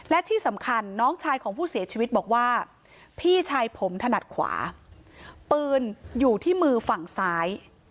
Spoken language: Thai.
และที่สำคัญน้องชายของผู้เสียชีวิตบอกว่าพี่ชายผมถนัดขวาปืนอยู่ที่มือฝั่งซ้าย